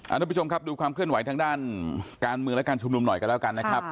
ทุกผู้ชมครับดูความเคลื่อนไหวทางด้านการเมืองและการชุมนุมหน่อยกันแล้วกันนะครับ